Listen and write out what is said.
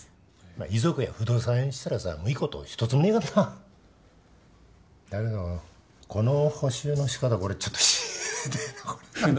まあ遺族や不動産屋にしたらさもういいこと一つもねぇからな。だけどこの補修のしかたこれちょっとひでぇなこれはははっ。